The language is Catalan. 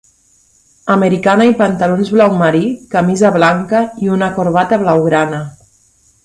Americana i pantalons blau marí, camisa blanca i una corbata blaugrana.